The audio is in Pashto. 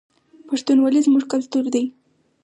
پښتونولي زموږ کلتور دی